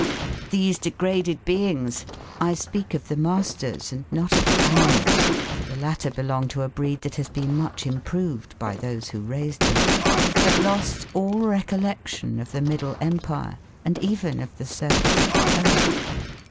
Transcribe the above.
These degraded beings (I speak of the masters and not of the animals, for the latter belong to a breed that has been much improved by those who raised them) had lost all recollection of the Middle Empire and even of the surface of the earth.